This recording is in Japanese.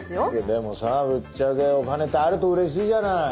でもさぶっちゃけお金ってあるとうれしいじゃない。